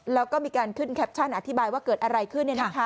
แล้วก็มีการขึ้นแคปชั่นอธิบายว่าเกิดอะไรขึ้น